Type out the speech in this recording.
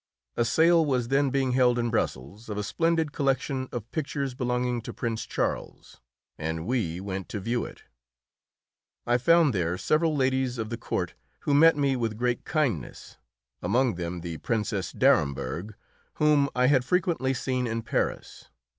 A sale was then being held in Brussels of a splendid collection of pictures belonging to Prince Charles, and we went to view it. I found there several ladies of the court who met me with great kindness, among them the Princess d'Aremberg, whom I had frequently seen in Paris.